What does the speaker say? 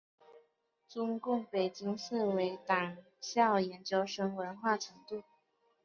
中共北京市委党校研究生文化程度。